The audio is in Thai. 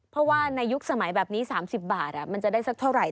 เพราะว่าในยุคสมัยแบบนี้๓๐บาทมันจะได้สักเท่าไหร่